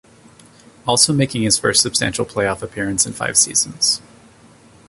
Also making his first substantial playoff appearance in five seasons.